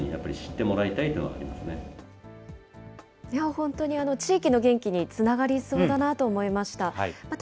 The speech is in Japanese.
本当に地域の元気につながりそうだなと思いました。